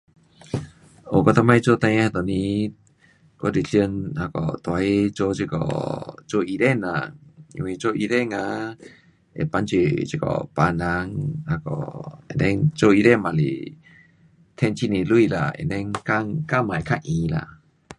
学我以前做孩儿那时候。我是想那下大个这下做医生啦。因为做医生啊会帮助这下病人。那下 and then 做医生也是赚很多钱啦，and then 工，工也会较闲啦。